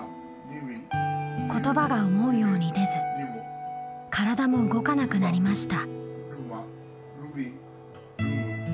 言葉が思うように出ず体も動かなくなりました。